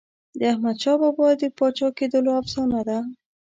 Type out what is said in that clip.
د احمدشاه بابا د پاچا کېدلو افسانه ده.